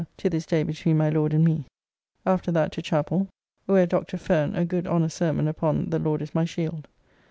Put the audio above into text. to this day between my Lord and me. After that to chappell, where Dr. Fern, a good honest sermon upon "The Lord is my shield."